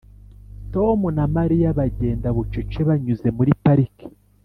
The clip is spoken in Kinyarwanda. tom na mariya bagenda bucece banyuze muri parike.